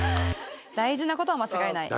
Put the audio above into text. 大事なことは間違いない。